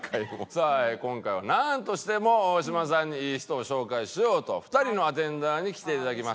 さあ今回はなんとしても大島さんにいい人を紹介しようと２人のアテンダーに来ていただきました。